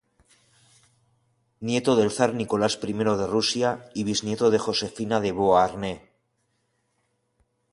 Nieto del zar Nicolás I de Rusia y bisnieto de Josefina de Beauharnais.